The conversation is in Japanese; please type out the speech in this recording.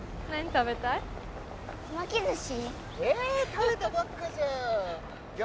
食べたばっかじゃん。いくよ。